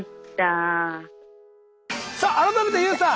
さあ改めてＹＯＵさん